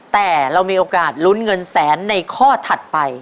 แต่เรามีโอกาสลุ้นเงินแสนในข้อถัดไป